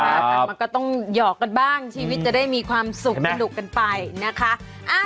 แต่มันก็ต้องหยอกกันบ้างชีวิตจะได้มีความสุขสนุกกันไปนะคะ